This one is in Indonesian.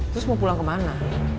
terus mau pulang kemana